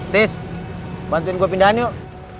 tis bantuin gue pindahin yuk